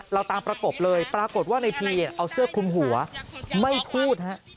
เราตามประกบเลยปรากฏว่าในพีเอาเสื้อคุมหัวไม่พูดฮะ